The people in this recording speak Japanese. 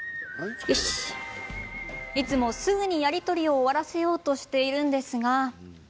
いつも、すぐにやり取りを終わらせようとしているんですが。